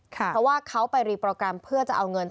เพราะว่าเขาไปรีโปรแกรมเพื่อจะเอาเงิน